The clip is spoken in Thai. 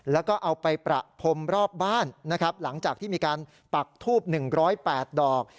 แล้วก็เอาไปประพรมรอบบ้านนะครับหลังจากที่มีการปักทูบ๑๐๘ดอก